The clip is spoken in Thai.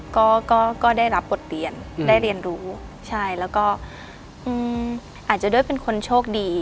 ก็ก็ได้รับบทเรียนได้เรียนรู้ใช่แล้วก็อาจจะด้วยเป็นคนโชคดี